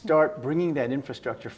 dan memulai membawa infrastruktur